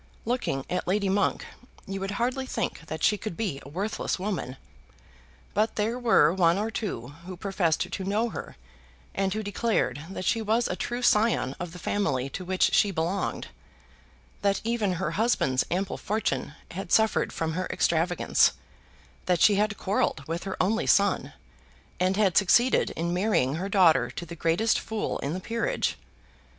Looking at Lady Monk you would hardly think that she could be a worthless woman; but there were one or two who professed to know her, and who declared that she was a true scion of the family to which she belonged; that even her husband's ample fortune had suffered from her extravagance, that she had quarrelled with her only son, and had succeeded in marrying her daughter to the greatest fool in the peerage.